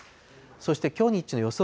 そしてきょう日中の予想